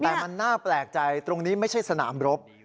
แต่มันน่าแปลกใจตรงนี้ไม่ใช่สนามรบ